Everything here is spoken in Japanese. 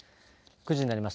９時になりました。